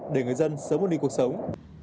để người dân sớm một đi cuộc sống